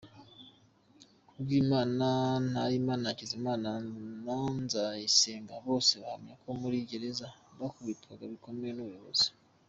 Kubwimana, Ntakiyimana, Hakizimana na Nzayisenga, bose bahamya ko muri gereza bakubitwaga bikomeye n’ubuyobozi.